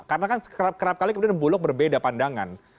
karena kan kerap kerap kali kemudian bulog berbeda pandangan